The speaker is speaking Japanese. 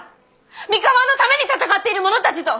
三河のために戦っている者たちぞ！